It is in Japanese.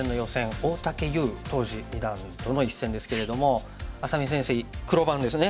大竹優当時二段との一戦ですけれども愛咲美先生黒番ですね。